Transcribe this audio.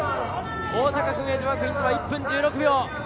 大阪薫英女学院とは１分１６秒。